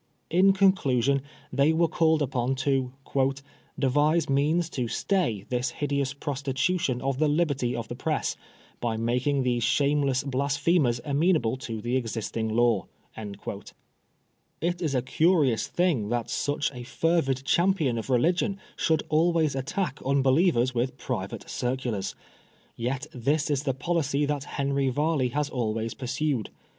In conclusion, they were called upon to " devise means to stay this hideous prostitution of the liberty of the Press, by making these shameless blasphemers amenable to the existing law." It is a curious thing that such a fervid champion of religion should always attack unbelievers with private circulars. Yet this is the policy that Henry Varley has always pursued.